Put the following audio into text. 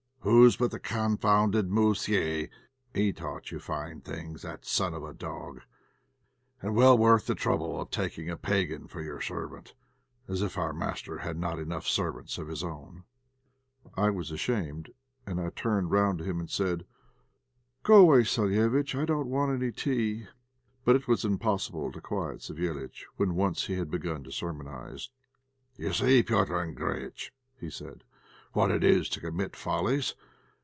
Whose but the confounded 'moussié;' he taught you fine things, that son of a dog, and well worth the trouble of taking a Pagan for your servant, as if our master had not had enough servants of his own!" I was ashamed. I turned round and said to him "Go away, Savéliitch; I don't want any tea." But it was impossible to quiet Savéliitch when once he had begun to sermonize. "Do you see now, Petr' Andréjïtch," said he, "what it is to commit follies?